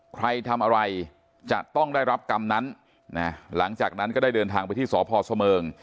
ใครทำอะไรจะต้องได้รับกรรมนั้นนะหลังจากนั้นก็ได้เดินทางไปที่สพเสมิง